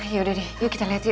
yaudah deh yuk kita lihat yuk